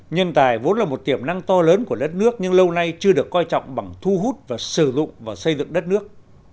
nhân tài vốn là một tiềm năng to lớn của đất nước nhưng lâu nay chưa được coi trọng bằng thu hút và sử dụng vào xây dựng đất nước